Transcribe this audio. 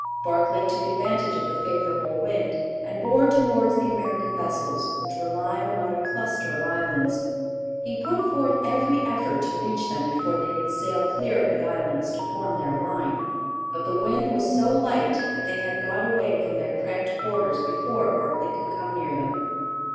Barclay took advantage of the favourable wind and bore towards the American vessels, which were lying among a cluster of islands. He put forth every effort to reach them before they could sail clear of the islands to form their line. But the wind was so light that they had got away from their cramped quarters before Barclay could come near them.